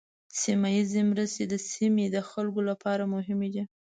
سیمه ایزه مرستې د سیمې د خلکو لپاره مهمې دي.